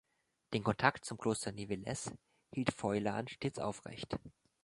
Den Kontakt zum Kloster Nivelles hielt Foillan stets aufrecht.